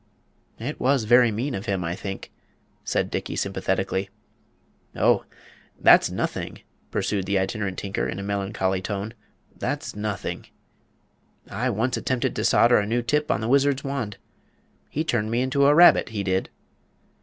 "It was very mean of him, I think," said Dickey, sympathetically. "Oh, that's nothing," pursued the Itinerant Tinker, in a melancholy tone. "That's nothing! I once attempted to solder a new tip on the Wizard's wand. He turned me into a rabbit, he did."